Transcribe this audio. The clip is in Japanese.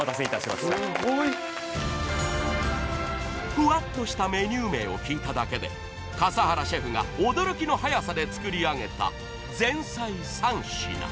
［ふわっとしたメニュー名を聞いただけで笠原シェフが驚きの早さで作り上げた前菜３品］